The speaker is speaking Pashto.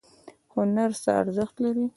هنر څه ارزښت لري؟